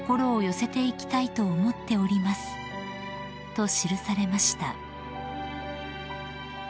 ［と記されました］